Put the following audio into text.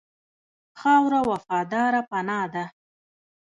خاوره وفاداره پناه ده.